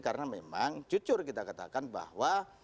karena memang jujur kita katakan bahwa